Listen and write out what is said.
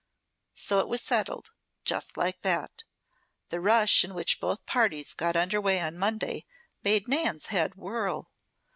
So it was settled, just like that. The rush in which both parties got under way on Monday made Nan's head whirl.